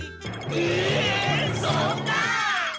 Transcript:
えっそんな！